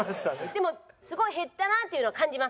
でもすごい減ったなっていうのは感じます。